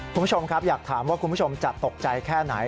คุณผู้ชมครับอยากถามว่าคุณผู้ชมจะตกใจแค่ไหน